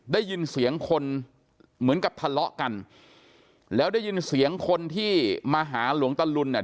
ได้ยินเสียงคนเหมือนกับทะเลาะกันแล้วได้ยินเสียงคนที่มาหาหลวงตะลุนเนี่ย